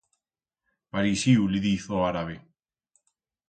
Parixiu, li diz o arabe.